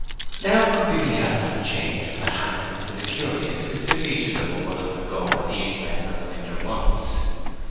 Now could be beheld that change from the handsome to the curious which the features of a wood undergo at the ingress of the winter months.